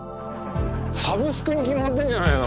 サブスクに決まってるじゃないの。